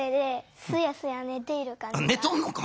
あっねとんのか。